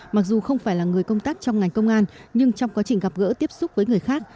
mặc dù không phải là người công tác trong ngành công an nhưng trong quá trình gặp gỡ tiếp xúc với người khác